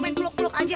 main peluk peluk aja